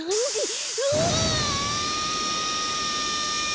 うわ！